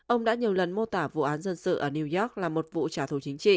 ông đã nhiều lần mô tả vụ án dân sự ở new york là một vụ trả thù chính trị